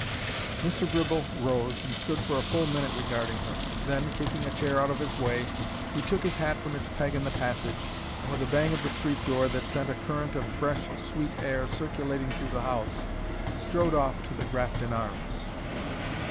Mr. Gribble rose, and stood for a full minute regarding her. Then, kicking a chair out of his way, he took his hat from its peg in the passage and, with a bang of the street door that sent a current of fresh, sweet air circulating through the house, strode off to the Grafton Arms.